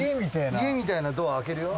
家みたいなドア開けるよ。